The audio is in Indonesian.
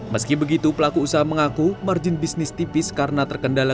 meski begitu pelaku usaha mengaku margin bisnis tipis karena terkendala